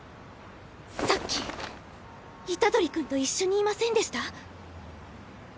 さっき虎杖君と一緒にいませんでした？